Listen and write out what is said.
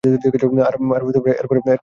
আর এরপরেও, কলেজ তো আমারই।